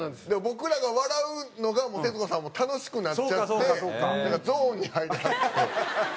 僕らが笑うのが徹子さんも楽しくなっちゃってゾーンに入りはって。